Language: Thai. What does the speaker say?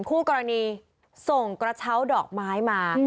คู่กรณีส่งกระเช้าดอกไม้มา